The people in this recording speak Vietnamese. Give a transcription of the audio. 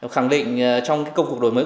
khẳng định trong công cuộc đổi mới